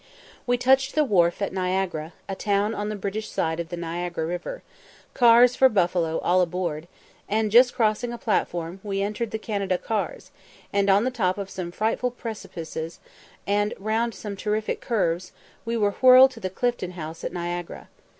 We touched the wharf at Niagara, a town on the British side of the Niagara river "cars for Buffalo, all aboard," and just crossing a platform, we entered the Canada cars, and on the top of some frightful precipices, and round some terrific curves, we were whirled to the Clifton House at Niagara.